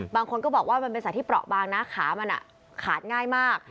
บางคนก็บอกว่ามันเป็นสัตว์ที่เปราะบางนะขามันขาดง่ายมาก